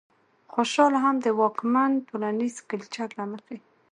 خوشال هم د واکمن ټولنيز کلچر له مخې